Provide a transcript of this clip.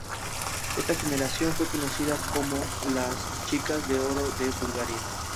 Esta generación fue conocida como las "Chicas de Oro de Bulgaria".